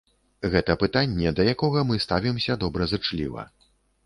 Гэта пытанне, да якога мы ставімся добразычліва.